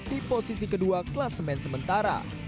di posisi kedua kelas men sementara